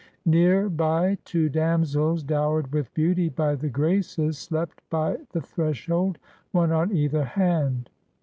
Near by two damsels, dowered with beauty by the Graces, slept by the thresh old, one on either hand.